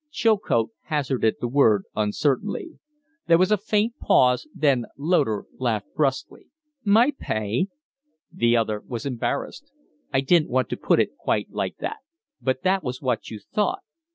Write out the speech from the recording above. Chilcote hazarded the word uncertainly. There was a faint pause, then Loder laughed brusquely. "My pay?" The other was embarrassed. "I didn't want to put it quite like that." "But that was what you thought.